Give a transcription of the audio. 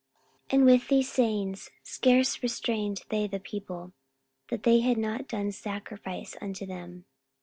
44:014:018 And with these sayings scarce restrained they the people, that they had not done sacrifice unto them.